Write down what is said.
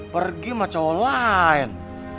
pergi sama cowok lain